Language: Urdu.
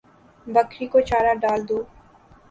بکری کو چارہ ڈال دو